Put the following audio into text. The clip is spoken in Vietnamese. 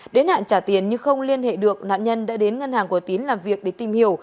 đến hạn trả tiền nhưng không liên hệ được nạn nhân đã đến ngân hàng của tín làm việc để tìm hiểu